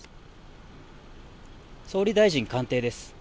総理大臣官邸です。